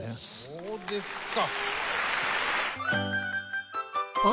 そうですか。